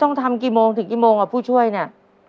ต้องทำกี่โมงถึงกี่โมงอ่ะผู้ช่วยเนี่ย